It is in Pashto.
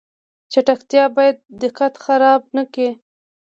چټکتیا باید دقت خراب نکړي